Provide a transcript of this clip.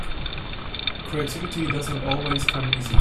Creativity does not always come easy.